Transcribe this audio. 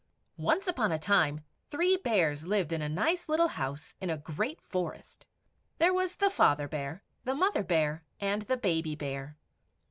Once upon a time three bears lived in a nice little house in a great forest. There was the Father Bear, the Mother Bear, and the Baby Bear.